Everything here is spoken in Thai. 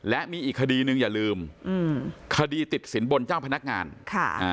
และมีอีกคดีหนึ่งอย่าลืมอืมคดีติดสินบนเจ้าพนักงานค่ะอ่า